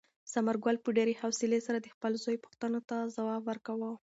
ثمرګل په ډېرې حوصلې سره د خپل زوی پوښتنو ته ځواب ورکاوه.